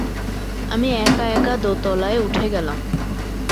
আমি একা-একা দোতলায় উঠে গেলাম।